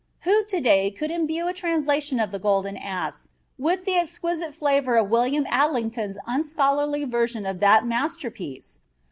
Who, today, could imbue a translation of the Golden Ass with the exquisite flavor of William Adlington's unscholarly version of that masterpiece?